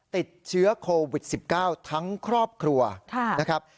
ติดเชื้อโควิด๑๙ทั้งครอบครัวนะครับ